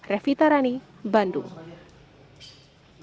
revita rani rp lima puluh per hari untuk satu ekor kucing yang dititipkan